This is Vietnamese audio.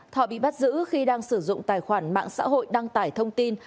thọ bị bắt giữ khi đang sử dụng tài khoản mạng xã hội đăng tải thông tin